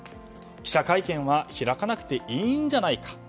記者会見は開かなくていいんじゃないか。